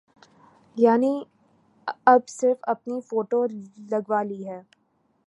یعنی اب صرف اپنی فوٹو لگوا لی ہے۔